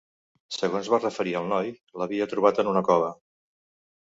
Segons va referir el noi, l'havia trobat en una cova.